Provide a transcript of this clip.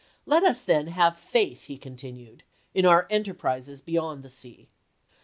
" Let us, then, have faith," he continued, " in our enterprises beyond the sea.